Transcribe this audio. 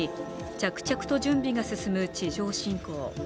着々と準備が進む地上侵攻。